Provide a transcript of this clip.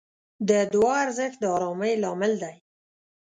د دعا ارزښت د آرامۍ لامل دی.